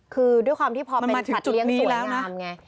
คือด้วยความที่พอเป็นสัตว์เลี้ยงสวยงามไง